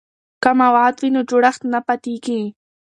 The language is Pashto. که مواد وي نو جوړښت نه پاتیږي.